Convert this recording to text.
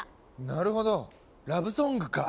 なるほどラブソングか！